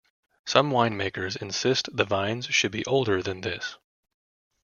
Some wine makers insist the vines should be older than this.